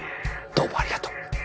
どうもありがとう。